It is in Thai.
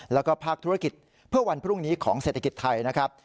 แล้วก็ภาคธุรกิจเพื่อวันพรุ่งนี้ของเศรษฐกิจไทยนะครับ